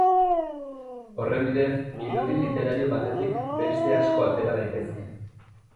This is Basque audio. Horren bidez irudi literario batetik beste asko atera daitezke.